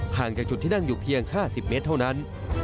จากจุดที่นั่งอยู่เพียง๕๐เมตรเท่านั้น